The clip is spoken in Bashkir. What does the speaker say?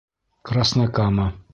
Краснокама.